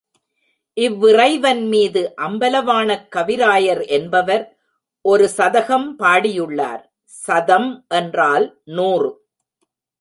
இவ் விறைவன்மீது அம்பல வாணக் கவிராயர் என்பவர் ஒரு சதகம் பாடியுள்ளார், சதம் என்றால் நூறு.